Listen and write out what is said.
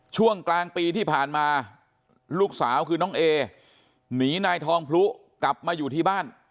ช่วงกลางปีที่ผ่านมาลูกสาวคือน้องเอหนีนายทองพลุกลับมาอยู่ที่บ้าน